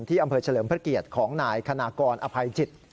อำเภอเฉลิมพระเกียรติของนายคณากรอภัยจิต